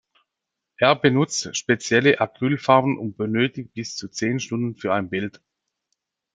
Er benutzt spezielle Acrylfarben und benötigt bis zu zehn Stunden für ein Bild.